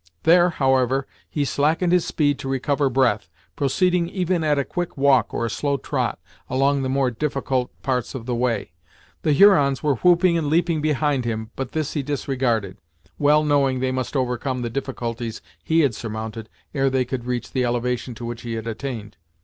There, however, he slackened his speed to recover breath, proceeding even at a quick walk, or a slow trot, along the more difficult parts of the way. The Hurons were whooping and leaping behind him, but this he disregarded, well knowing they must overcome the difficulties he had surmounted ere they could reach the elevation to which he had attained.